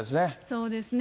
そうですね。